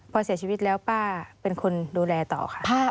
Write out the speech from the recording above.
พอเสียชีวิตแล้วป้าเป็นคนดูแลต่อค่ะ